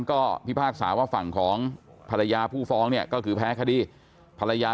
ก็พิพากษาว่าฝั่งของภรรยาผู้ฟ้องเนี่ยก็คือแพ้คดีภรรยา